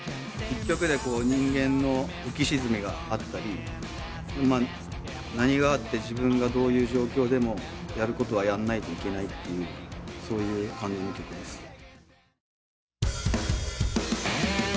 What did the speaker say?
一曲で人間の浮き沈みがあったり何があって自分がどういう状況でもやることはやんないといけないというそういう感じの曲です。